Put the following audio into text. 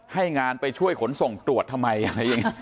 ให้งานไปช่วยขนส่งตรวจทำไมอะไรอย่างนี้